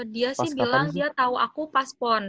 dia sih bilang dia tau aku pas pon dua ribu enam belas